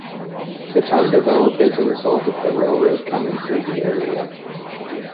The town developed as a result of the railroad coming through the area.